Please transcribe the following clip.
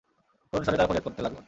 করুণস্বরে তারা ফরিয়াদ করতে লাগল।